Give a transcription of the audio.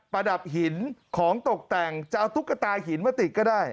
ระดับหินของตกแต่งจะเอาตุ๊กตาหินมาติดก็ได้